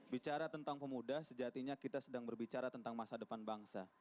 bicara tentang pemuda sejatinya kita sedang berbicara tentang masa depan bangsa